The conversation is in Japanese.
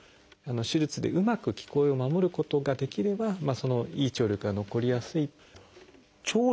手術でうまく聞こえを守ることができればいい聴力が残りやすいと。